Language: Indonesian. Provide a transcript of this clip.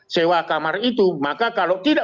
sewa kamar itu maka kalau tidak